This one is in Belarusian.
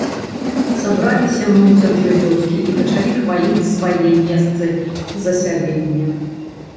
Сабраліся мы ў цэнтры вёскі і пачалі хваліць свае месцы засялення.